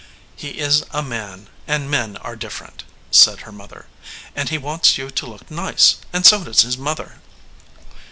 "He is a man, and men are different," said her mother. "And he wants you to look nice, and so does his mother."